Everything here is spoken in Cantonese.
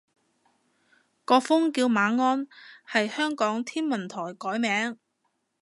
個風叫馬鞍，係香港天文台改名